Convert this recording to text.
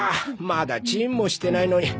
まだチンもしてないのに。